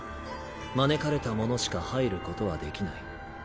招かれた者しか入ることはできない。